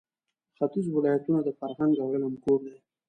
ختیځ ولایتونه د فرهنګ او علم کور دی.